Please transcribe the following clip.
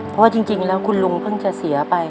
เพราะว่าคุณลุงเพิ่งจะเสียไป